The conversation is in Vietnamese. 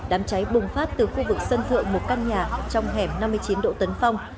đám cháy bùng phát từ khu vực sân thượng một căn nhà trong hẻm năm mươi chín đỗ tấn phong